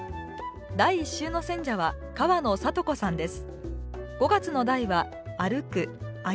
第１週の選者は川野里子さんです。